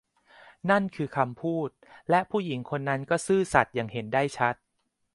นั่นคือคำพูดและผู้หญิงคนนั้นก็ซื่อสัตย์อย่างเห็นได้ชัด